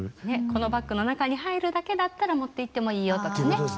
「このバッグの中に入るだけだったら持っていってもいいよ」とかね。